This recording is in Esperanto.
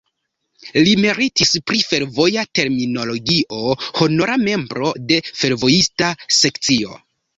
Li meritis pri fervoja terminologio, honora membro de fervojista sekcio.